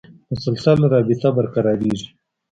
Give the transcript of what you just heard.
مسلسله رابطه برقرارېږي.